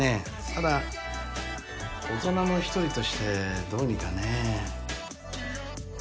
ただ大人の一人としてどうにかねえ